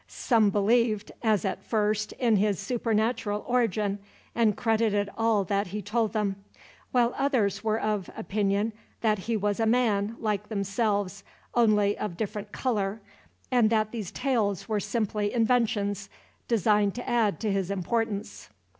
Some believed, as at first, in his supernatural origin, and credited all that he told them; while others were of opinion that he was a man, like themselves, only of different color, and that these tales were simply inventions, designed to add to his importance.